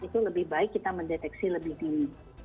itu lebih baik kita mendeteksi lebih dini